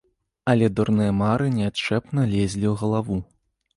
Але дурныя мары неадчэпна лезлі ў галаву.